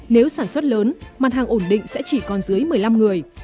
nếu sản xuất lớn mặt hàng ổn định sẽ chỉ còn dưới một mươi năm người